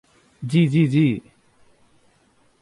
জি, জি, জি।